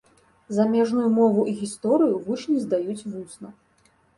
Замежную мову і гісторыю вучні здаюць вусна.